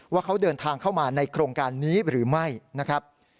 ว่าเขาเดินทางเข้ามาในโครงการนี้หรือไม่นะครับ